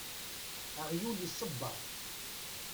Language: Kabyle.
Aɣyul isebber.